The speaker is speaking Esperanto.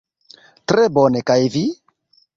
Tre bone, kaj vi?